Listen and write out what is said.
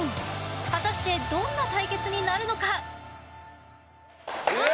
果たして、どんな対決になるのか。